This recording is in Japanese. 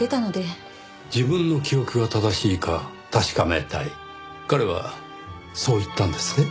自分の記憶が正しいか確かめたい彼はそう言ったんですね？